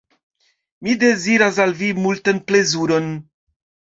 Mi deziras al vi multan plezuron.